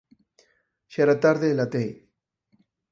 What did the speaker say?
Xa era tarde e latei